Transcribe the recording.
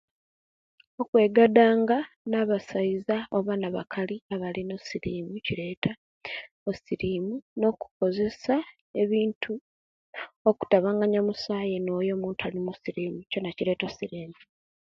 Okwegadanga ne basaiza oba nebakali abaline osirimu nicho ekireta osirimu nokukozesia ebintu okutabangania omusayi noyo aline osirimu chona kireta osirimu